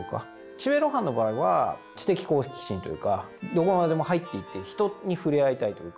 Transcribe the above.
岸辺露伴の場合は知的好奇心というかどこまでも入っていって人に触れ合いたいというか。